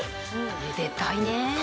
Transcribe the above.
めでたいねえ。